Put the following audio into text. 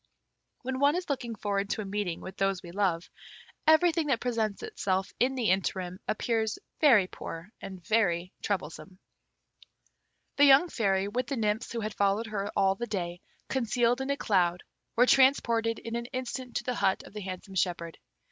When one is looking forward to a meeting with those we love, everything that presents itself in the interim appears very poor and very troublesome. The young Fairy, with the nymphs who had followed her all the day, concealed in a cloud, were transported in an instant to the hut of the handsome shepherd.